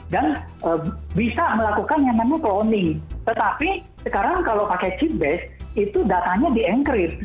dan bisa melakukan yang namanya cloning tetapi sekarang kalau pakai chip base itu datanya di encrypt